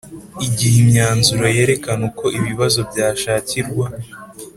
igihe imyanzuro yerekana uko ibibazo byashakirwa